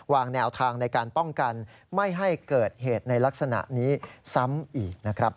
วางแนวทางในการป้องกันไม่ให้เกิดเหตุในลักษณะนี้ซ้ำอีกนะครับ